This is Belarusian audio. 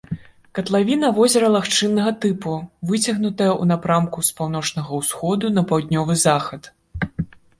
Катлавіна возера лагчыннага тыпу, выцягнутая ў напрамку з паўночнага ўсходу на паўднёвы захад.